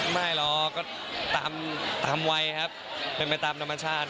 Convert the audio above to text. ไม่หรอกก็ตามวัยครับเป็นไปตามธรรมชาติ